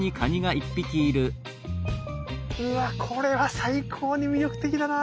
うわこれは最高に魅力的だな。